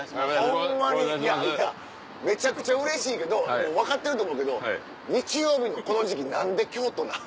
めちゃくちゃうれしいけど分かってると思うけど日曜日のこの時期何で京都なん？